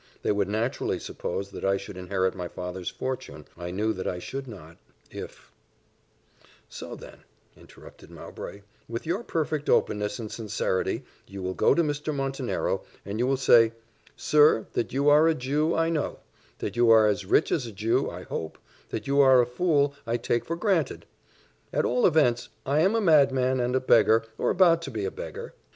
They would naturally suppose that I should inherit my father's fortune I knew that I should not, if "So, then," interrupted Mowbray, "with your perfect openness and sincerity, you will go to Mr. Montenero, and you will say, 'Sir, that you are a Jew, I know; that you are as rich as a Jew, I hope; that you are a fool, I take for granted: at all events, I am a madman and a beggar, or about to be a beggar.